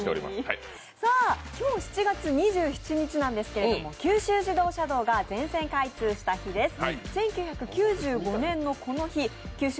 今日７月２７日なんですけど九州自動車道が全線開通した日です。